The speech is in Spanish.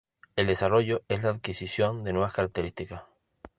El desarrollo es la adquisición de nuevas características.